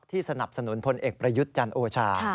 สนับสนุนพลเอกประยุทธ์จันทร์โอชา